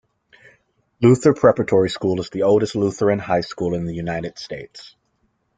Luther Preparatory School is the oldest Lutheran high school in the United States.